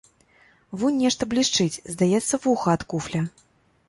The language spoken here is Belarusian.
Вунь нешта блішчыць, здаецца, вуха ад куфля.